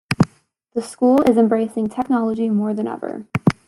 The school is embracing technology more than ever.